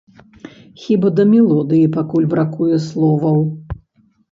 Хіба, да мелодыі пакуль бракуе словаў.